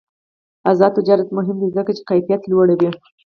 آزاد تجارت مهم دی ځکه چې کیفیت لوړوي.